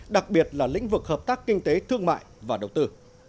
đặc biệt là lĩnh vực hợp tác kinh tế thương mại và đầu tư